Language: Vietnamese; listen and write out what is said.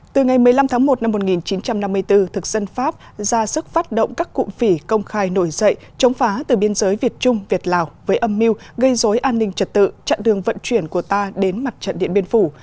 từ ngày một mươi năm tháng một năm một nghìn chín trăm năm mươi bốn thực dân pháp ra sức phát động các cụm phỉ công khai nổi dậy chống phá từ biên giới việt trung việt lào với âm mưu gây dối an ninh trật tự chặn đường vận chuyển của ta đến mặt trận điện biên phủ